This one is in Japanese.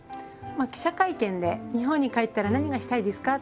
記者会見で日本に帰ったら何がしたいですか？